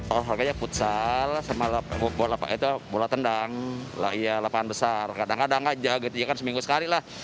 olahraganya futsal bola tendang lapangan besar kadang kadang jaget ya kan seminggu sekali lah